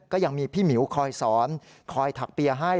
ก็ยังมีพี่หมิวคอยสอนคอยถักเปียร์ให้